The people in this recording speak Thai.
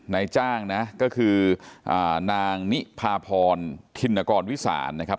นายจ้างนะก็คือนางนิพาพรธินกรวิสานนะครับ